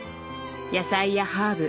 野菜やハーブ